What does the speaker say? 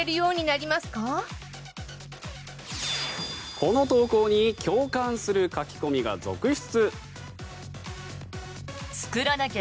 この投稿に共感する書き込みが続出。